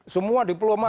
semua diplomat itu